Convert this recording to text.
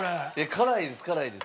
辛いです辛いです。